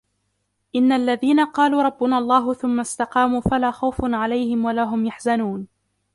إِنَّ الَّذِينَ قَالُوا رَبُّنَا اللَّهُ ثُمَّ اسْتَقَامُوا فَلَا خَوْفٌ عَلَيْهِمْ وَلَا هُمْ يَحْزَنُونَ